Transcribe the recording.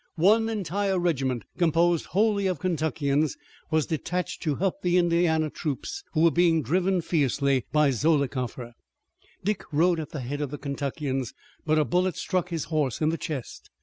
One entire regiment, composed wholly of Kentuckians, was detached to help the Indiana troops who were being driven fiercely by Zollicoffer. Dick rode at the head of the Kentuckians, but a bullet struck his horse in the chest.